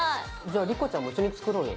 じゃあ莉子ちゃんも一緒に作ろうよ。